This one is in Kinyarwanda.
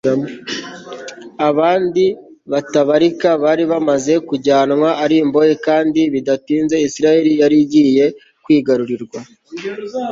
abandi batabarika bari baramaze kujyanwa ari imbohe kandi bidatinze isirayeli yari igiye kwigarurirwa